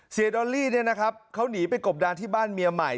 ดอลลี่เนี่ยนะครับเขาหนีไปกบดานที่บ้านเมียใหม่